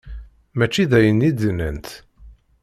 Mačči d ayen i d-nnant.